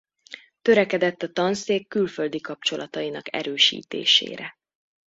Törekedett a tanszék külföldi kapcsolatainak erősítésére.